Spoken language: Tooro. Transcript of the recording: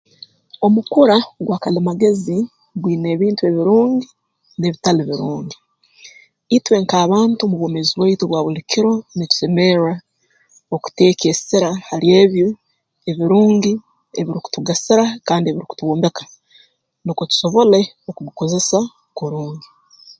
Omukura gwa kalimagezi gwine ebintu ebirungi n'ebitali birungi itwe nk'abantu mu bwomeezi bwaitu obwa buli kiro nitusemerra okuteeka esira hali ebyo ebirungi ebirukutugasira kandi ebirukutwombeka nukwo tusobole okugukozesa kurungi